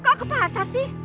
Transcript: kok ke pasar sih